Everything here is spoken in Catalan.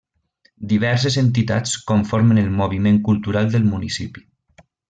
Diverses entitats conformen el moviment cultural del municipi.